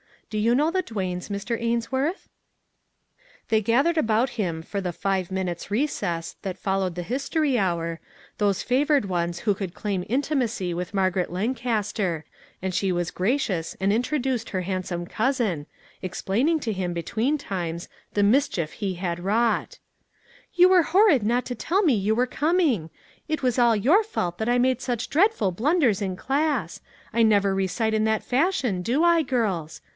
Do you know the Duanes, Mr. Ainsworth ?" They gathered about him for the " five min utes' recess " that followed the history hour, those favored ones who could claim intimacy with Margaret Lancaster, and she was gracious and introduced her handsome cousin, explain ing to him, between times, the mischief he had wrought. 354 "THAT LITTLE MAG JESSUP" " You were horrid not to tell me you were coming; it was all your fault that I made such dreadful blunders in class ; I never recite in that fashion, do I girls